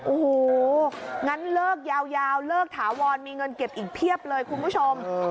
โอ้โหงั้นเลิกยาวเลิกถาวรมีเงินเก็บอีกเพียบเลยคุณผู้ชม